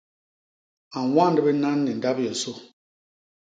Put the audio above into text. A ñwand binan ni ndap yosô.